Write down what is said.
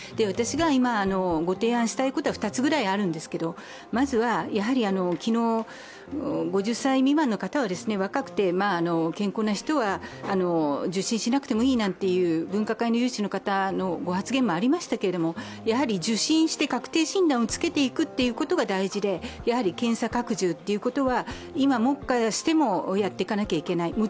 私が今、ご提案したいことは２つぐらいあるんですけどまずは昨日、５０歳未満の方は若くて健康な人は受診しなくてもいいという分科会の有志の方のご発言もありましたけれども、やはり受診して確定診断をつけていくことが大事で検査拡充ということは今、していかなければいけない。